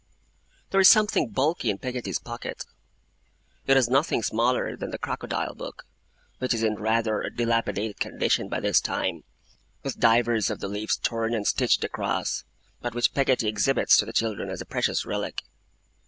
There is something bulky in Peggotty's pocket. It is nothing smaller than the Crocodile Book, which is in rather a dilapidated condition by this time, with divers of the leaves torn and stitched across, but which Peggotty exhibits to the children as a precious relic.